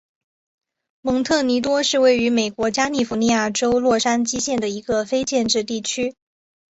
蒙特尼多是位于美国加利福尼亚州洛杉矶县的一个非建制地区。